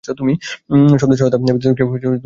শব্দের সহায়তা ব্যতীত কেহ চিন্তা করিতে পারে না।